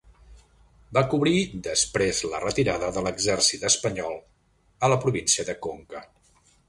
Va cobrir després la retirada de l'Exèrcit espanyol a la província de Conca.